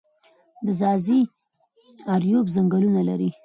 د ځاځي اریوب ځنګلونه لري